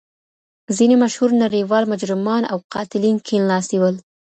ځینې مشهور نړیوال مجرمان او قاتلین کیڼ لاسي ول.